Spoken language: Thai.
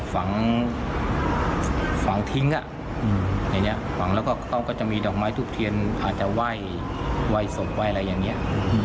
สัญญามาฝังก็จะมีดอกไม้ทุบเทียนอาจจะไหว้อาจจะไหว้สมอะไรอันเนี่ย